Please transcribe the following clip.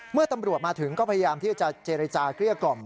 เมื่อตำรวจมาถึงก็พยายามที่จะเจรจาเกลี้ยกล่อม